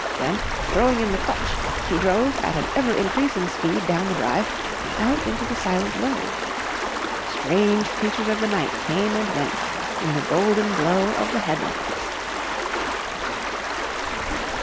Then throwing in the clutch, he drove at an ever increasing speed down the drive and out into the silent road. Strange creatures of the night came and went in the golden glow of the head lights.